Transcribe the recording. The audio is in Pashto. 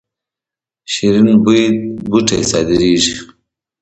د شیرین بویې بوټی صادریږي